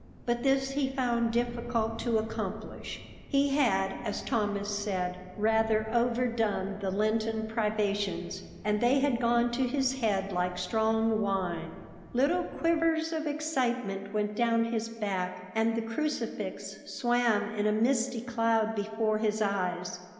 But this he found difficult to accomplish. He had, as Thomas said, rather overdone the Lenten privations, and they had gone to his head like strong wine. Little quivers of excitement went down his back, and the crucifix swam in a misty cloud before his eyes.